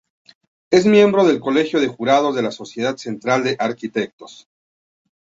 Es miembro del Colegio de Jurados de la Sociedad Central de Arquitectos.